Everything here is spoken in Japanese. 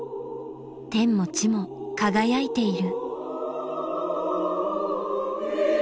天も地も輝いている。